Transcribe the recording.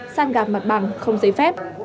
săn gạp mặt bằng không giấy phép